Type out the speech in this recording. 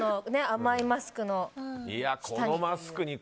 甘いマスクの下に。